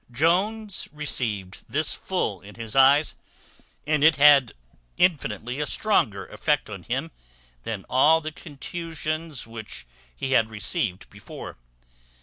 Jones received this full in his eyes, and it had infinitely a stronger effect on him than all the contusions which he had received before.